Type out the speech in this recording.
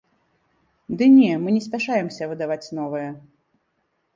Ды не, мы не спяшаемся выдаваць новае.